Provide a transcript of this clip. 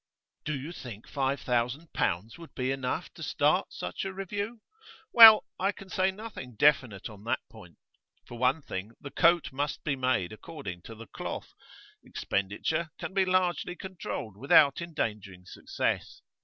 'Do you think five thousand pounds would be enough to start such a review?' 'Well, I can say nothing definite on that point. For one thing, the coat must be made according to the cloth; expenditure can be largely controlled without endangering success.